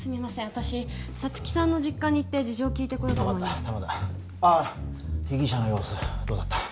私皐月さんの実家に行って事情を聴いてきますああ被疑者の様子どうだった？